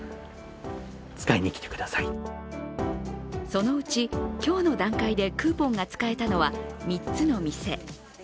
そのうち、今日の段階でクーポンが使えたのは３つの店。